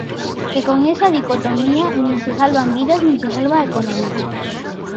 Que con esa dicotomía nin se salvan vidas nin se salva a economía.